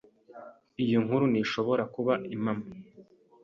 Iyo nkuru ntishobora kuba impamo.